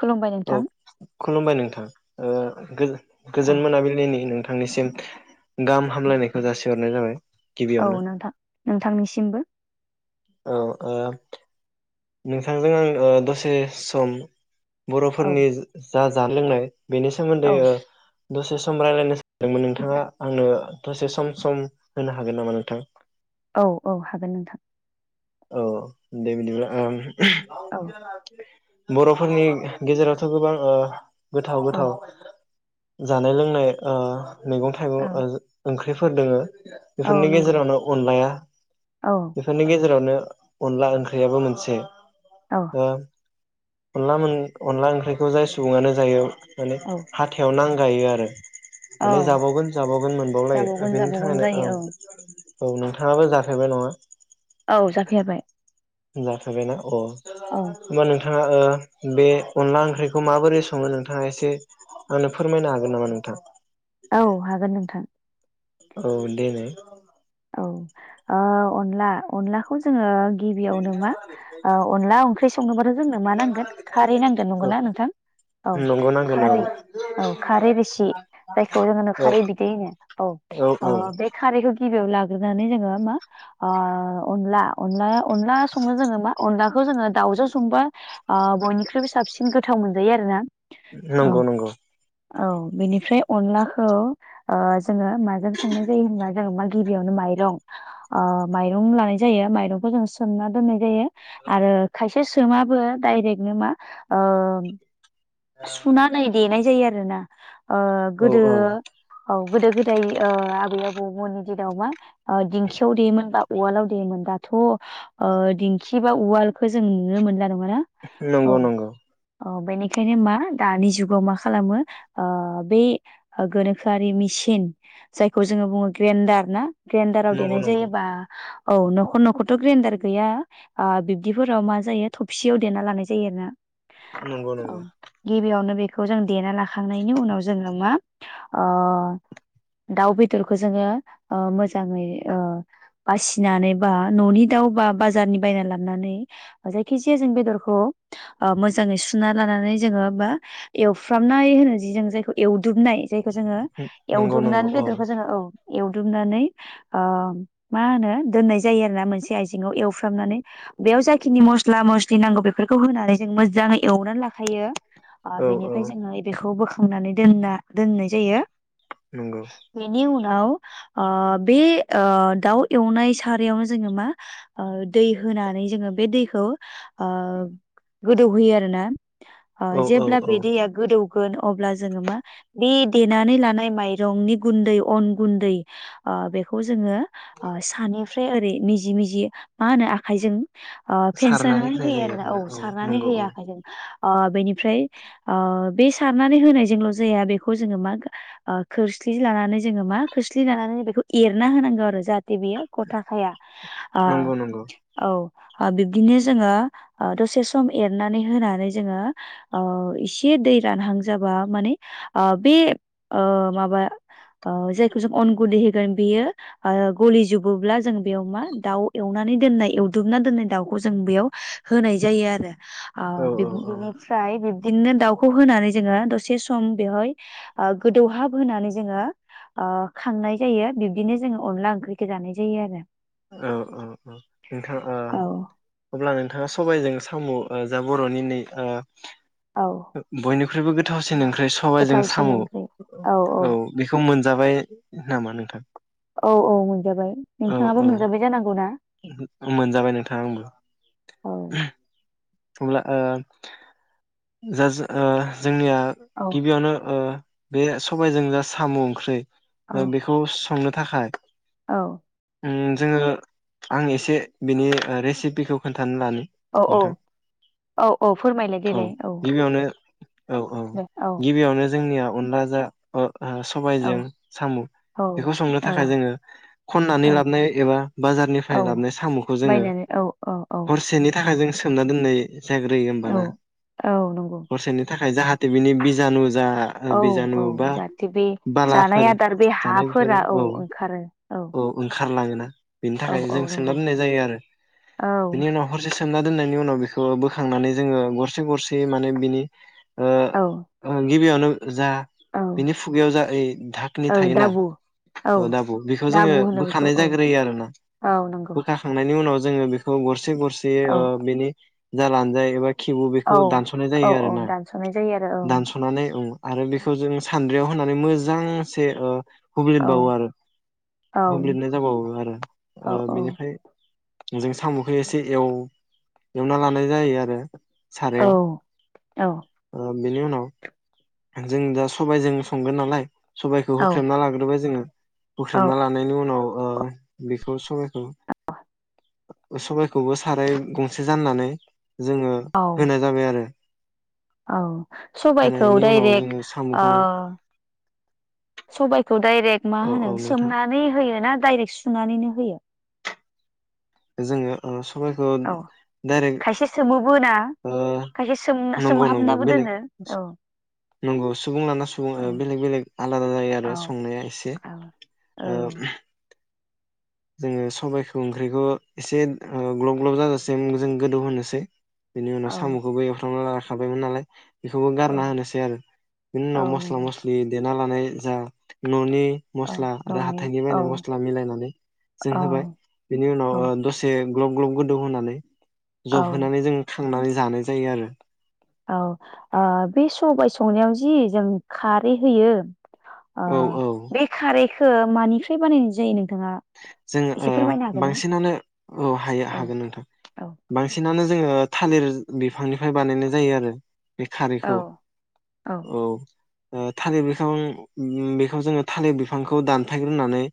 खुलुमबाय औ नोंथां खुलुमबाय नोंथां ओ गोज औ गोजोन मोनाबिलिनि नोंथां थांनिसिम गाहाम हामलायनायखौ जासिहरनाय जाबाय औ गिबियावनो नोंथां नोंथांनिसिमबो औ आ नोंथांजों आं ओ दसे सम औ बर'फोरनि जा जानाय लोंनाय बेनि सोमोन्दै औ दसे सम रायज्लायनो सानदोंमोन नोंथाङा आंनो दसे सम सम होनो हागोन नामा नोंथां औ औ हागोन नोंथां औ दे बिदिब्ला आ औ आ बर'फोरनि गेजेरावथ' गोबां ओ गोथाव औ गोथाव जानाय लोंनाय ओ मैगं औ थाइगं ओं ख्रिफोर दोङो औ बेफोरनि नंगौ गेजेरावनो अनलाया औ बेफोरनि गेजेरावनो अनला ओंख्रियाबो मोनसे औ हो अनला मोन अनला ओंख्रिखौ जाय सुबुङानो जायो माने औ हाथायाव नां गायो आरो औ माने जाबावगोन जाबावगोन मोनबावलायो जाबावगोन बेनि जाबावगोन थाखायनो औ जायो औ नोंथाङाबो जाफेबाय नङा औ जाफेरबाय जाफेबायना अ मान नोंथाङा ओ बे अनला ओंख्रिखौ माबोरै सङो नोंथाङा एसे आंनो फोरमायनो हागोन नामा नोंथां औ हागोन नोंथां औ दे नाय औ ओ अनला अनलाखौ जोङो गिबियावनो मा ओ अनला संनोबाथ' जोंनो मा नांगोन खारै नांगोन नंगो औ ना नोंथां औ नंगौ नांगोन औ खारै औ खारै रोसि जायखौ जोङो बुङो औ खारै बिदै ओ औ औ बे खारैखौ गिबि आवनो ला सग्रोनानै जोङो मा अनला ओ अनला अनला अनला संनो जोंनो मा अनलाखौ जोङो दाउजों संबा ओ बयनिख्रुइबो साबसिन गोथाव मोनजायो आरो ना नंगौ नंगौ औ बेनिफ्राय अनलाखौ ओ जोङो माजों संनाय जायो होनबा जोमा गिदिर बेयावनो माइरं माइरं लानाय जायो माइरंखौ जों सोमना दोननाय जायो आरो खायसे ए सोमाबो डायरेक्टनो मा ओ सुनानै देनाय जायो आरो ना ओ औ गोदो औ औ गोदो गोदाय आब बै आबौमोननि दिनाव मा दिंखियाव देयोमोन बा उवालाव देयोमोन दाथ' दिंखि बा उवालखो जों नुनो मोनला नङा नंगौ नंगौ औ बेनि बेओंखायनो मा दानि जुगाव मा खालामो बे ओ गोनोखोआरि मेसिन जायखौ जोङो बुङो ग्रेन्डार ना ग्रेडाराव नंगौ देनाय नंगौ जायोबा औ न'खर न'खरथ' ग्रेन्डार गैया बिब्दिफोराव मा जायो थबसियाव देना लानाय जायो आरोना नंगौ औ नंगौ। गिबियावनो बेखौ खौ जों देना लाखांनायनि उनाव जोङो मा दाउ बेदरखौ जोङो मोजाङै बासिनानै बा न'नि दाउ बा बाजारनि बायना लाबनानै जायखि जाया जों बेदरखौ मोजाङै सुन सुना लानानै जोङो बा एवफ्रामनाय होनोजे जों जायखौ एव दुमनाय जायखौ जोङो नंगौ नंगौ एवदुमनानै औ बेदरखौ जोङो औ एवदुमनानै ओ मा होनो दोननाय जायो आरो ना मोनसे आइजेंआव एवफ्रामनानै बेयाव जाखिनि मस्ला मस्लि नांगौ बेफोरखौ होनानै जों मोजाङै एवनानै लाखायो ओ औ औ बेनिफ्राय जोङो इबेखौ बोखां संनानै दोनना दोननाय जायो नोंगौ नाव बे दाउ एवनाय सारायावनो जोङो मा दै होनानै जोङो बे दैखौ ओ गोदौहोयो आरो ना ओ औ औ जेब्ला औ बेदै आ गोदौ गोन अब्ला जोंहा बे देनानै लानाय माइरंनि गुन्दै अन गुन्दै ओ बेखौ जोङो ओ सानिफ्राय मिजि मिजि मा होनो आखाइजों ओ सारनानै फेनसानानै होनाय होयो जायो आरोना औ सारनानै नंगौ औ होया ओ बेनिफ्राय ओ बे सारनानै होनायजोंल' जाया बेखौ जोङो मा खोरस्लि लानानै जोङो मा खोरस्लि लानानै बेखौ एरना होनांगो आरो जाहा थे बेयो गथाखाया ओ नंगौ नंगौ औ ओ बिब्दिनो जोङो ओ दसे सम एर नानै होनानै जोङो ओ इसे दै रानहां जाबा माने ओ बेओ माबा ओ जायखौ जों अन गुन्दै होगोन बेयो ओ गलिजोबोब्ला जों बेयाव मा दाउ एवनानै दोननाय एवदुबना दोननाय दाउखौ जों बेयाव होनाय जायो आरो आ औ औ औ बिनिफ्राय [unintelligible] बिदिनो दाउखौ होनानै जोङो दसे सम बेवहाय ओ गोदौहाब होनानै जोङो ओ खांनाय जायो बिब्दिनो जोङो अनला ओंख्रिखो जानाय जायो आरो औ औ औ नोंथां ओ अब्ला नों थाङा सबायजों साम' ओ जा बर'नि नै ओ औ औ बयनि ख्रुइबो गोथाव सि न ओंख्रि जों साम' औ बेखौ मोन जाबाय नामा नोंथां औ औ मोनजाबाय औ औ नोंथाङाबो मोन जाबाय जानांगौ ना मोनजाबाय नोंथां आंबो औ अब्ला ओ जा ओ जोंनिया औ गिबियावनो ओ बे सबायजों जा साम' ओंख्रि ओ बेखौ संनो थाखाय औ उम जोङो आं एसे बिनि रेसिपिखौ खोन्थानो लानि औ औ औ औ फोरमायलाय देलाय औ [inaudible] औ औ दे औ गिबियावनो जोंनिया अनला जा ओ ओ औ सबायजों साम' औ बेखौ संनो औ थाखाय जोङो खन्नानै लाबोन एबा बाजारनिफ्राय औ लाबोनाय साम'खौ जोङो बायनानै औ औ औ हरसेनि थाखाय जों सोमना दोननाय जाग्रोयो औ होमबाना औ नंगौ हरसेनि था खाय जाहाथे बिनि बिजानु जा ओ, औ बिजानु औ बा जाहाथे बे जानाय बालाफोर आदार बे जानाय बेफोरो हाफोरा औ ओंखारो औ [inaudible] बिनि औ थाखाय औ जों सोनना नंगौ दोननाय जायो आरो औ बिनि उनाव हरसे सोमना दोननायनि उनाव बेखौ बोखांनानै जोङो गरसे गरसे माने बिनि औ ओ गिबियावनो जा औ बिनि खुगायाव जा ओइ धाकनि औ थायोना दाबु औ दाब' बेखौ जोङो दाबु होनो बेखौ बोखानाय औ जाग्रोयो आरो ना औ नंगौ बोखाखांनायनि उनाव जोङो बेखौ गर गरसे गरसे औ ओ बिनि जा लानजाय एबा खेबु औ बेखौ दानस'नाय औ जायो औ आरोना दानस'नाय जायो आरो दानस'नानै औ आरो बेखौ जों सानद्रियाव होननानै मोजांसे ओ हुब्लिदबावो आरो ओं हुब्ललिदनाय जाबावो आरो औ ओ बेनिफ्राय जों साम'खौ एसे एव एवना लानाय जायो आरो औ सारायाव औ ओ बेनि उनाव जों दा सबायजों संगोन नालाय सबायखौ औ होख्रेमना लाग्रोबाय जोङो औ हुख्रेमना लानायनि उनाव ओ बेखौ सबायखौ सबायखौबो साराय गं से जाननानै जोङो औ होनाय जाबाय आरो औ सबायखौ होनायनि उनाव डाइरेक्ट जोङो ओ साम'खौ सबाय खौ डाइरेक्ट मा औ होनो औ नोंथां सोमनानै होयोना डाइरेक्ट सुनानैनो होयो जोङो ओ सबाइखौ औ डायरेक्ट खायसे सोमोबो ना ओ खायसे सोम नंगौ नंगौ सोमहाबनाबो बेलेग दोनो औ नंगौ सुबुं लाना औ बेलेग बेलेग आलादा जायो औ आरो संनाया एसे औ जोङो सबायखौ ओंख्रिखौ एसे ग्लब ग्लब जाजासिम जों गोदौ होनोसै बेनि औ उनाव साम'खौबो एवथांना ला खाबायमोन नालाय बेखौबो औ गारना होनोसै आरो बिनि औ उनाव मस्ला नंगौ मस्लि ना लानाय जा न'नि औ मस्ला आरो न'नि हाथायनि औ बायनाय मस्ला मिलायनानै जों औ होबाय बेनि उनाव औ दसे ग्ल ग्लब गोदौ होनानै जब औ होनानै जों नानै जानाय जायो आरो औ ओ बे सबाय संनायाव जि जों खारै होयो अ औ औ बे खारै ओ मानिफ्राय बानायनाय जायो नोंथाङा जों ओ एसे फोरमायनो हागोन ना? बांसिनानो हायो औ हागोन नोंथां औ बांसिनानो जोङो थालिर बिफांनिफ्राय बानायनाय जायो आरो बे औ खारैखौ औ ओ थालिर बिफां बेखौ जोङो थालिर बिफांखौ दानफायग्रोनानै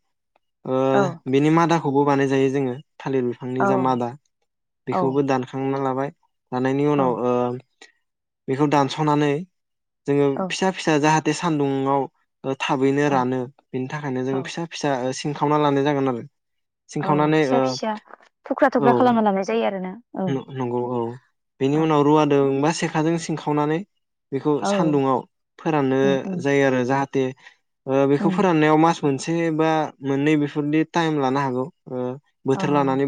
ओ औ बेनि मादाखौबो बानाय जायो जोङो थालिर बिफांनि औ जा मादा बेखौबो दानखांना ला बाय जानायनि उनाव ओ बेखौ दानस'नानै जोङो औ फिसा फिसा जाहाथे थे सान्दुंङाव ओ थाबैनो औ रानो बिनि थाखायनो जों औ फिसा फिसा सिंखावना लानाय जागोन आरो [inaudible] सिं औ खावनानै फिसा फिसा थुख्रा औ थुख्रा खालामना लानाय जायो आरोना औ नंगौ औ बेनि औ उनाव रुवादोंबा सेखाजों सिं खावनानै बेखौ औ सान्दुंङाव फोराननो उम उम जायो आरो जाहाथे दे ओ बेखौ उम फोराननायाव मा मोनसे बा मोननै बेफोरनि टाइम लानो हागौ औ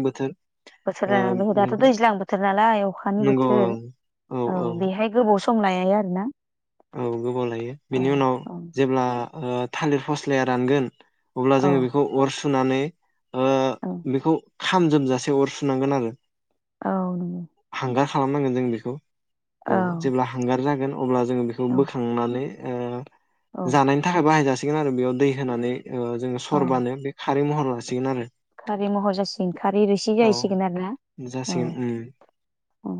बोथोर बोथोर ओ दाथ' बेनिफ्राय दैज्लां बोथोर नालाय अखानि नंगौ औ बोथोर औ बेहाय गोबाव सम सम लायो आरो ना औ गोबाव लायो बेनि उनाव औ जेब्ला ओ थालिर फस्लाया रानगोन अब्ला औ जोङो बेखौ अर सु सुनानै ओ औ बेखौ खाम जोमजासे अर सुनांगोन आरो औ नोंगौ हांगा र खालामनांगोन जों बेखौ औ जेब्ला हांगार जागोन अब्ला जोङो बेखौ औ बोखांनानै ओ औ जानायनि थाखाय बाहायजासि सिगोन आरो बेयाव दै होनानै ओ जोङो सरबानो बेयो खारै महर लासिगोन आरो खारि महर जासिगोन खारै रोसि औ जाहैसिगोन आरो ना औ जासिगोन उम औ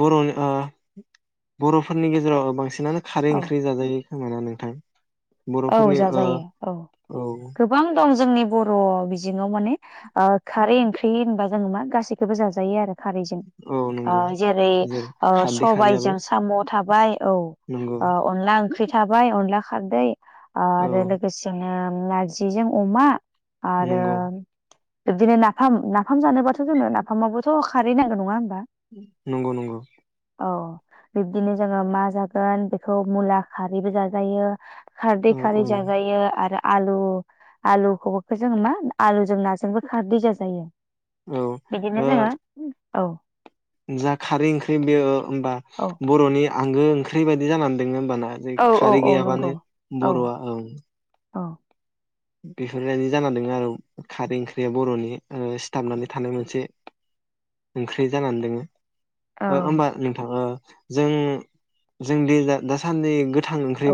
बर' ओ बर'फोरनि गेजेराव बांसिन आनो खारै औ ओंख्रि जाजायो खोमाना नोंथां औ बर'फोरनि ओ जाजायो औ गोबां दं जोंनि बर' बिजि आव माने ओ खारै ओंख्रै ख्रि होनबा जोङो मा गासैखौबो जाजायो आरो खारैजों। औ ओ नंगौ जेरै ओ खारदै खारैयाबो सबायजों साम थाबाय बाय औ नंगौ ओ अनला ओंख्रि थाबाय अनला खारदै औ आरो लोगोसेनो ओ नारजिजों अमा आरो नंगौ बिब्दिनो नाफाम नाफाम जानोबाथ' जोंनो नाफामाबबोथ' खारै नांगौ नङा होनबा नंगौ नंगौ औ बिब्दिनो जोङो मा जागोन बेखौ मुला खारैबो जाजायो खारदै औ औ खारै जाजायो आरो आलु आलुखौबो जोङो मा आलुजों नाजोंबो खारदै जाजायो औ ओ बिदिनो जोङो औ जा खारै ओंख्रि बेयो होनबा औ बर'नि आंगो ओंख्रिबायदि जानानै दङो होनोमबाना खै औ औ खारै औ गैयाबानो नंगौ बर'आ औ औ बेफोरबायदि जाना दोङो आरो खारै ओंख्रिया बर'नि ओ सिथाबनानै थानाय मोनसे ओंख्रि जानानै दोङो औ होनबा नोंथाङा जों जों दा-दासान्दि [unintelligible] ओंख्रि औ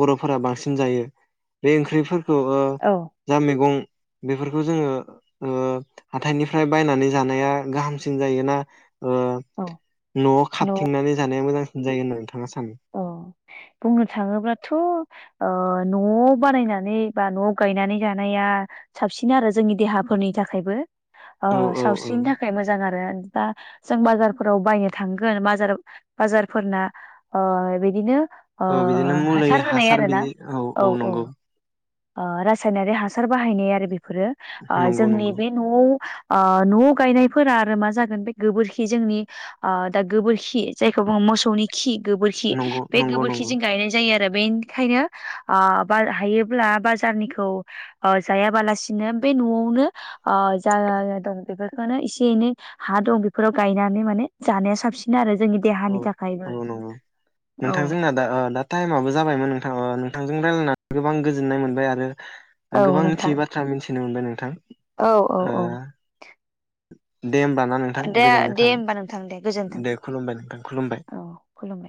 बर' [unintelligible] बांसिन जायो बे ओंख्रि औ ओ औ जा मैगं बेफोरखौ जोङो ओ हाथायनिफ्राय बायनानै जानाया गाहामसिन जायोना ओ औ न'आव न' खाबथिंनानै जानाया मोजां जायो नोंथां थाङा सानो औ बुंनो थाङोब्लाथ' ओ न'आव बानायनानै बा न'आव गायनानै जानाया साबसिन आरो जोंनि देहाफोरनि थाखायबो ओ औ औ साव औ दा जों बाजारफोराव बायनो थांगोन बाजार बाजारफोरना अ बेदिनो औ बिदिनो मुलि हासार बिदि औ औ नंगौ ओ रासायनारि हासार बाहायनाय आरो बे फोरो ओ नंगौ जोंनि नंगौ बे न'आव ओ न'आव गायनायफोरा आरो मा जागोन बे गोबोरखि जोंनि ओ दा गोबोरखि जायखौ बुङो मोसौनि खि गोबोरखि नंगौ बे नंगौ गोबोरखि नंगौ जि गायनाय जायो आरो बेनिखायनो ओ बार हायो जेब्ला बाजारनिखौ ओ जायाबालासिनो बे न'आवनो जा दं बेफोरखौनो एसे एनै हा दं बेफोराव गायनानै माने जानाया साबसिन आरो जोंनि औ देहानि थाखायबो औ नंगो औ नोंथां जोंना दा दा टाइमाबबो जाबायमोन नोंथां ओ थांजों रायज्लायनानै गोबां गोजोननाय मोनबाय आरो औ गोबां नोंथां मिथियै बाथ्रा मिथि मिथिनो मोनबाय नोंथां औ औ औ ओ दे होमबा ना नोंथां दे गोजोननाय दे थाबाय होमबा नोंथां दे गोजोन्थों दे खुलुमबाय नों खुलुमबाय औ खुलुमबाय